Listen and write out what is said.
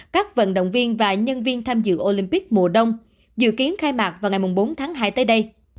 các vận động viên và nhân viên tham dự olympic mùa đông dự kiến khai mạc vào ngày bốn tháng hai tới đây